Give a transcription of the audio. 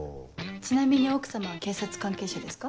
ちなみに奥様は警察関係者ですか？